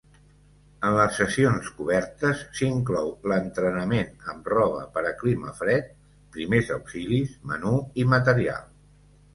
En les sessions cobertes s'inclou l'entrenament amb roba per a clima fred, primers auxilis, menú i material.